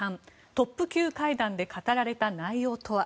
トップ級会談で語られた内容とは。